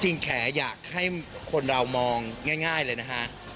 แขอยากให้คนเรามองง่ายเลยนะฮะ